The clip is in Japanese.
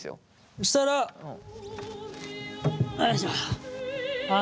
そしたらよいしょあの。